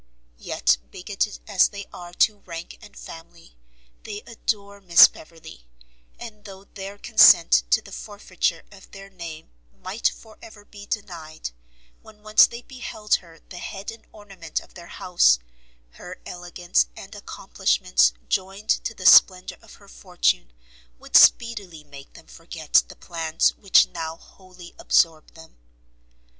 Yet bigotted as they are to rank and family, they adore Miss Beverley, and though their consent to the forfeiture of their name might forever be denied, when once they beheld her the head and ornament of their house, her elegance and accomplishments joined to the splendour of her fortune, would speedily make them forget the plans which now wholly absorb them.